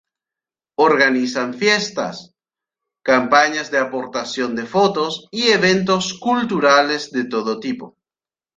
Organizan fiestas, campañas de aportación de fotos y eventos culturales de todo tipo.